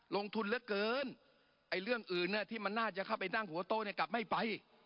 ลงทุนเหลือเกินไอ้เรื่องอื่นที่มันน่าจะเข้าไปนั่งหัวโต๊ะเนี่ยกลับไม่ไป